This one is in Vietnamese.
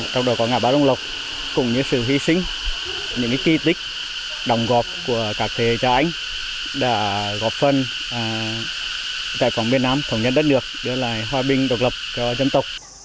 trong đó có ngã ba đồng lộc cũng như sự hy sinh những kỳ tích đồng gọp của các thế hệ gia ánh đã góp phần tại phòng miền nam thống nhất đất nước đưa lại hòa bình độc lập cho dân tộc